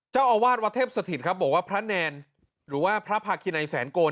เจ้าอาวาสวัดเทพสถิตครับบอกว่าพระแนนหรือว่าพระพาคินัยแสนโกน